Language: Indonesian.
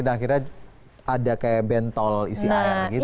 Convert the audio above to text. dan akhirnya ada kayak bentol isi air gitu